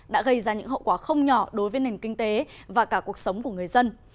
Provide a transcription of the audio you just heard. đã gây ra những hậu quả không nhỏ đối với nền kinh tế và cả cuộc sống của người dân